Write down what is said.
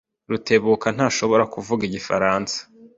Rutebuka ntashobora kuvuga igifaransa.